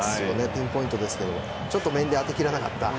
ピンポイントですけど少し面で当てきれなかった。